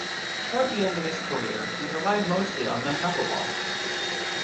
Toward the end of his career, he relied mostly on the knuckleball.